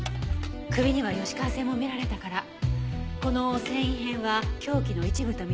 首には吉川線も見られたからこの繊維片は凶器の一部と見てよさそうね。